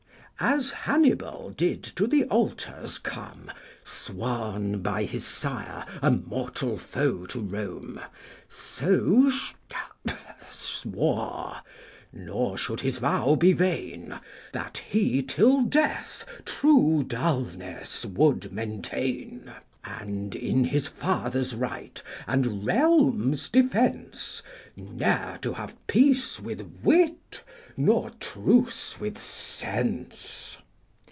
As Hannibal did to the altars come, Sworn by his fire, a mortal foe to Rome ; So Shadwell swore, nor should his tow be vain, That he till death true dulness would maintain ; And, in his father's right, and realm's defence, Ne'er to have peace with wit, nor truce with sense.